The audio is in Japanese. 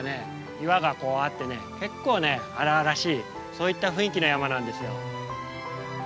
岩がこうあって結構荒々しいそういった雰囲気の山なんですよ。